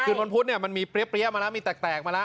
วันพุธเนี่ยมันมีเปรี้ยมาแล้วมีแตกมาแล้ว